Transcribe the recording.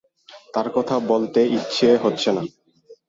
তার কথা বলতে ইচ্ছে হচ্ছে না।